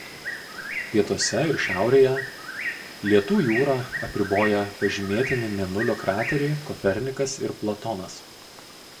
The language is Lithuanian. Pietuose ir šiaurėje Lietų jūrą apriboja pažymėtini Mėnulio krateriai Kopernikas ir Platonas.